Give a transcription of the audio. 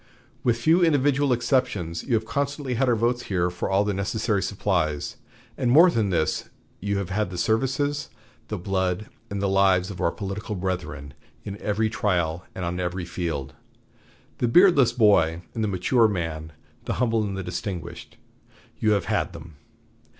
With few individual exceptions, you have constantly had our votes here for all the necessary supplies. And, more than this, you have had the services, the blood, and the lives of our political brethren in every trial and on every field. The beardless boy and the mature man, the humble and the distinguished you have had them.